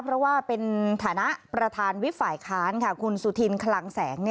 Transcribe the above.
เพราะว่าเป็นฐานะประธานวิบฝ่ายค้านค่ะคุณสุธินคลังแสง